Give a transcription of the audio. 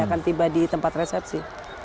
akan tiba di tempat resepsi